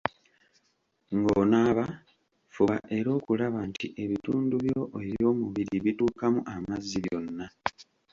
Ng'onaaba, fuba era okulaba nti ebitundu byo ebyomubiri bituukamu amazzi byonna.